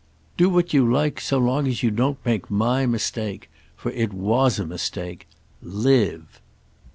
Do what you like so long as you don't make my mistake. For it was a mistake. Live!"